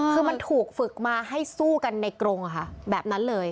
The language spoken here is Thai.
คือมันถูกฝึกมาให้สู้กันในกรงแบบนั้นเลย